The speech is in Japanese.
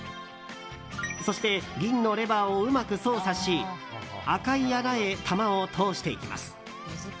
そして銀のレバーをうまく操作し赤い穴へ玉を通していきます。